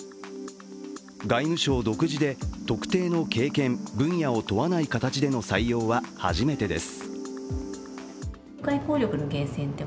外務省独自で、特定の経験・分野を問わない形での採用は初めてです。